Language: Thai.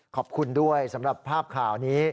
ขอบคุณด้วยสำหรับภาพข่าวนี้